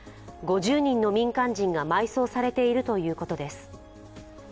５０人の民間人が埋葬されているということです。